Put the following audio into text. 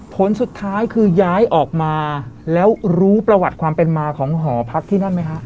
ผลสุดท้ายคือย้ายออกมาแล้วรู้ประวัติความเป็นมาของหอพักที่นั่นไหมฮะ